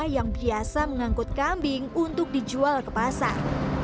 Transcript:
yang biasa mengangkut kambing untuk dijual ke pasar